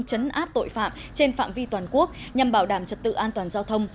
chấn áp tội phạm trên phạm vi toàn quốc nhằm bảo đảm trật tự an toàn giao thông